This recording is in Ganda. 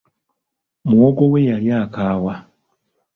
Muwogo we yali akaawa.